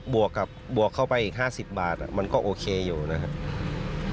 บวกเข้าไปอีก๕๐บาทมันก็โอเคอยู่นะครับ